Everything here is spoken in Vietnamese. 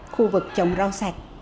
khu vực trồng rau sạch